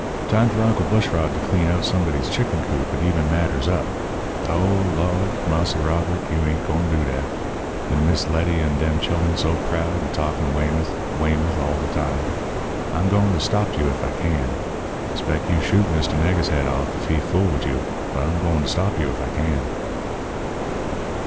Time for Uncle Bushrod to clean out somebody's chicken coop and eben matters up. Oh, Lawd! Marse Robert, you ain't gwine do dat. 'N Miss Letty an' dem chillun so proud and talkin' 'Weymouth, Weymouth,' all de time! I'm gwine to stop you ef I can. 'Spec you shoot Mr. Nigger's head off ef he fool wid you, but I'm gwine stop you ef I can."